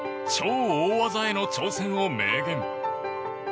超大技への挑戦を明言。